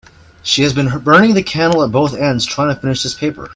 She has been burning the candle at both ends trying to finish this paper.